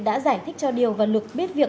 đã giải thích cho điều và lực biết việc